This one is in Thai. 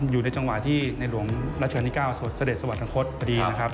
อยู่ในจังหวะที่ในหลวงรัชกรรมที่๙สวัสดีสวัสดีครับ